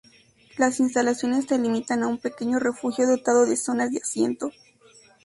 Las instalaciones se limitan a un pequeño refugio dotado de zonas de asiento.